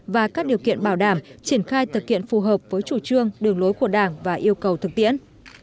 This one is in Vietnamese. và các điều kiện bảo đảm triển khai thực hiện phù hợp với chủ trương đường lối của đảng và yêu cầu thực tiễn